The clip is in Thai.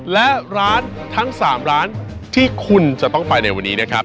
และร้านทั้ง๓ร้านที่คุณจะต้องไปในวันนี้นะครับ